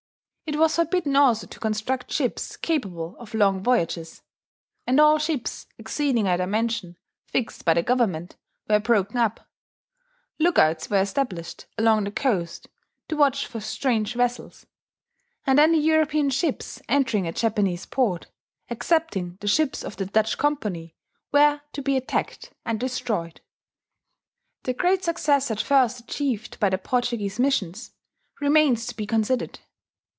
It was forbidden also to construct ships capable of long voyages; and all ships exceeding a dimension fixed by the government were broken up, Lookouts were established along the coast to watch for strange vessels; and any European ships entering a Japanese port, excepting the ships of the Dutch company, were to be attacked and destroyed. The great success at first achieved by the Portuguese missions remains to be considered.